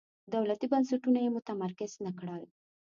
دولتي بنسټونه یې متمرکز نه کړل.